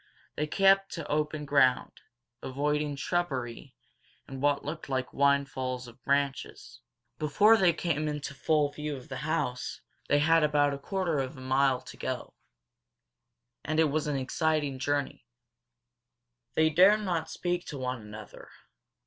They kept to open ground, avoiding shrubbery and what looked like windfalls of branches. Before they came into full view of the house they had about a quarter of a mile to go. And it was an exciting journey. They dared not speak to one another.